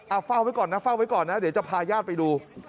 อ่าฝ้าไว้ก่อนนะเดี๋ยวจะพาญาติไปดู